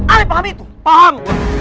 aneh paham itu paham